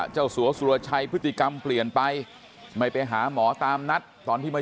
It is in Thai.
สัวสุรชัยพฤติกรรมเปลี่ยนไปไม่ไปหาหมอตามนัดตอนที่ไม่